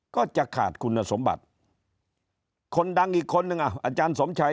ก็จะขาดคุณสมบัติคนดังอีกคนนึงอ่ะอาจารย์สมชัย